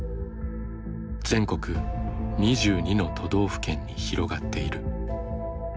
全国２２の都道府県に広がっている。